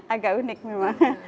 agak unik memang